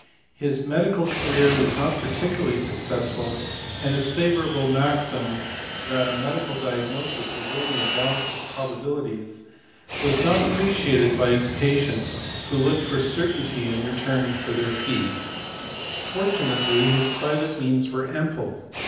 His medical career was not particularly suc cessful, and his favourite maxim that a medical diagnosis is only a balance of probabilities was not appreciated by his patients who looked for certainty in return for their fee. Fortunately his private means were ample.